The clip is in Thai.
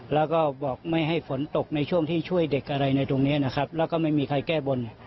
แล้วก็บอกไม่ให้ฝนตกในช่วงที่ช่วยเด็กอะไรในตรงนี้นะครับแล้วก็ไม่มีใครแก้บน